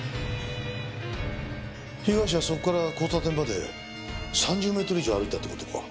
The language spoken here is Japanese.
被害者はそこから交差点まで３０メートル以上歩いたって事か。